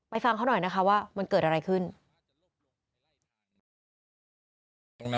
ฟังเขาหน่อยนะคะว่ามันเกิดอะไรขึ้น